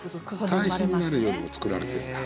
対比になるようにも作られてるんだ。